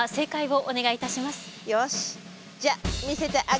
よし。